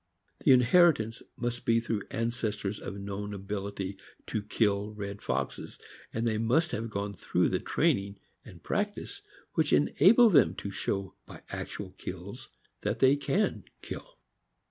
The inheritance must be through ancestors of known ability to kill red foxes, and they must have gone through the training and practice which enable them to show by actual kills that they can kill.